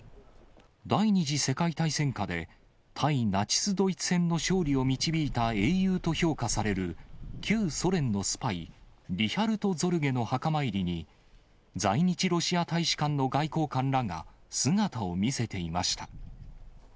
第２次世界大戦下で、対ナチス・ドイツ戦の勝利を導いた英雄と評価される、旧ソ連のスパイ、リヒャルト・ゾルゲの墓参りに、在日ロシア大使館の外交官らが姿を見せていました。